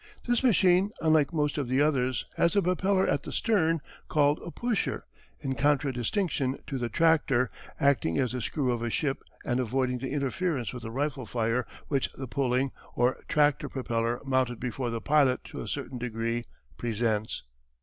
This machine unlike most of the others has the propeller at the stern, called a "pusher" in contradistinction to the "tractor," acting as the screw of a ship and avoiding the interference with the rifle fire which the pulling, or tractor propeller mounted before the pilot to a certain degree presents.